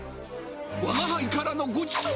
わがはいからのごちそうだ。